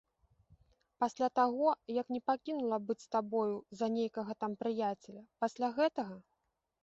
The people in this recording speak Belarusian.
Пасля таго як не пакінула быць з табою за нейкага там прыяцеля, пасля гэтага?